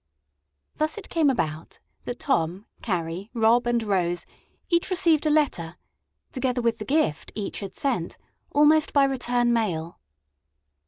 Thus it came about that Tom, Carrie, Rob, and Rose, each received a letter (together with the gift each had sent) almost by return mail.